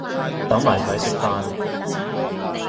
等埋佢食飯